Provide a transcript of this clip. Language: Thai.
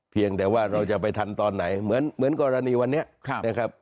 เพียงแต่ว่าเราจะไปทันตอนไหนเหมือนกรณีวันนี้นะครับ